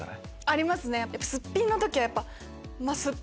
ありますね。